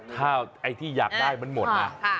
ถ้าไอ้ที่อยากได้มันหมดนะ